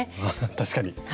確かに。